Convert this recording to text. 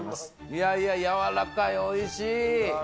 いやいや、柔らかい、おいしい。